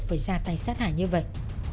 với gia tay sát hải như vậy